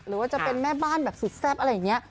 หรือว่าจะเป็นแม่บ้านแบบสุดแซ่บอะไรอย่างนี้